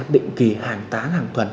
định kỳ hàng tán hàng tuần